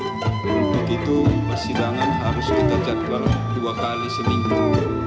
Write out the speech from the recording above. untuk itu persidangan harus kita jadwal dua kali seminggu